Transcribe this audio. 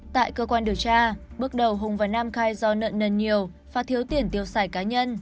tại cơ quan điều tra bước đầu hùng và nam khai do nợ nần nhiều và thiếu tiền tiêu xài cá nhân